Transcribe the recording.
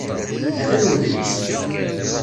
Atan wedlis.